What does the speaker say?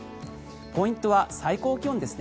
ポイントは最高気温です。